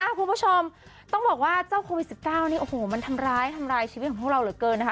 คุณผู้ชมต้องบอกว่าเจ้าโควิด๑๙นี่โอ้โหมันทำร้ายทำร้ายชีวิตของพวกเราเหลือเกินนะคะ